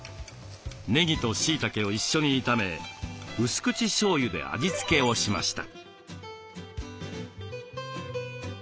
ねぎとしいたけを一緒に炒めうす口しょうゆで味付けをしました。